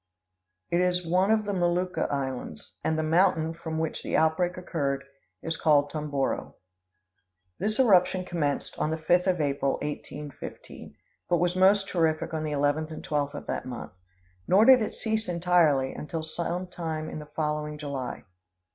It is one of the Molucca islands; and the mountain from which the outbreak occurred is called Tomboro. [Illustration: GEYSER.] "This eruption commenced on the 5th of April, 1815, but was most terrific on the 11th and 12th of that month; nor did it cease entirely until some time in the following July.